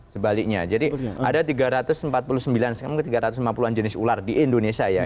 sebaliknya jadi ada tiga ratus empat puluh sembilan sekarang mungkin tiga ratus lima puluh an jenis ular di indonesia ya